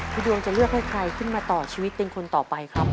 ดวงจะเลือกให้ใครขึ้นมาต่อชีวิตเป็นคนต่อไปครับ